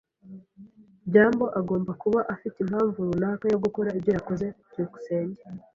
byambo agomba kuba afite impamvu runaka yo gukora ibyo yakoze. byukusenge